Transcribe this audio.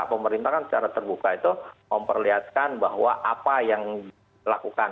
pemerintah kan secara terbuka itu memperlihatkan bahwa apa yang dilakukan